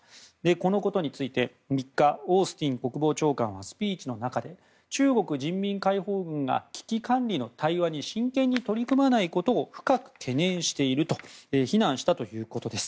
このことについて３日、オースティン国防長官はスピーチの中で中国人民解放軍が危機管理の対話に真剣に取り組まないことを深く懸念していると非難したということです。